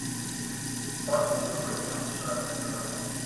পথ বন্ধুর হলেও সংঘর্ষ এড়ানোই ছিল তাঁর মূল লক্ষ্য।